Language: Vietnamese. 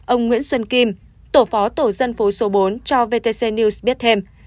ông nguyễn xuân kim tổ phó tổ dân phố số bốn cho vtc news biết thêm